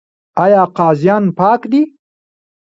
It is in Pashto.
آیا قاضیان پاک دي؟